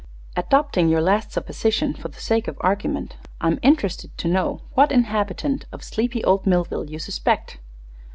Adopting your last supposition, for the sake of argument, I'm interested to know what inhabitant of sleepy old Millville you suspect."